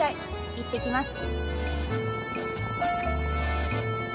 いってきます。